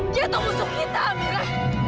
dia tuh musuh kita amira